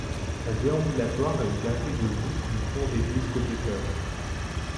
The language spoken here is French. Un déambulatoire est une galerie de voûtes du fond d’église côté chœur.